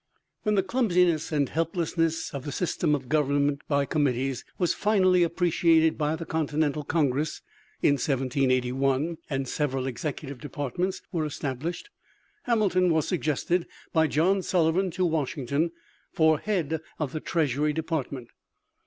When the clumsiness and helplessness of the system of government by committees was finally appreciated by the Continental Congress in 1781, and several executive departments were established, Hamilton was suggested by John Sullivan to Washington for head of the Treasury Department.